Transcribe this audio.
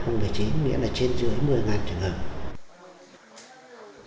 nghĩa là trên dưới một mươi trường hợp